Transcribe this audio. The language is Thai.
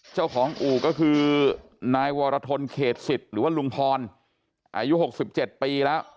เจ้าของอู่ก็คือนายวรทนเขตสิทธิ์หรือว่าลุงพรอายุ๖๗ปีแล้ว